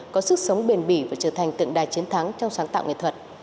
có sức sống bền bỉ và trở thành tượng đài chiến thắng trong sáng tạo nghệ thuật